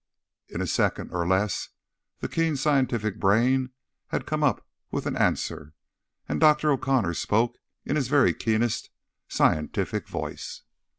In a second or less, the keen scientific brain had come up with an answer, and Dr. O'Connor spoke in his very keenest scientific voice.